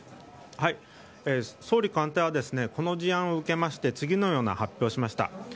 総理官邸はこの事案を受けまして次のような発表をしました。